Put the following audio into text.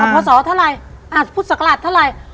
พศเท่าไหร่พุทธศักราชเท่าไหร่